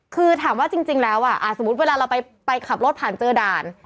คือถามว่าจริงแล้วสมมุติเวลาเราไปขับรถผ่านเจอด่าน